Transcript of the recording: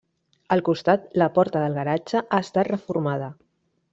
Al costat, la porta del garatge ha estat reformada.